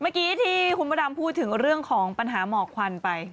เมื่อกี้ที่คุณพระดำพูดถึงเรื่องของปัญหาหมอกควันไป